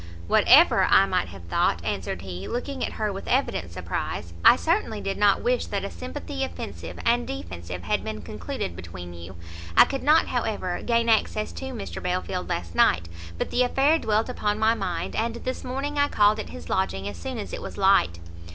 "Whatever I may have thought," answered he, looking at her with evident surprise, "I certainly did not wish that a sympathy offensive and defensive had been concluded between you. I could not, however, gain access to Mr Belfield last night, but the affair dwelt upon my mind, and this morning I called at his lodging as soon as it was light."